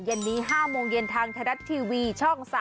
เย็นนี้๕โมงเย็นทางไทยรัฐทีวีช่อง๓๒